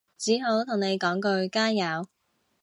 只好同你講句加油